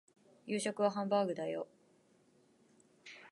夕食はハンバーグだよ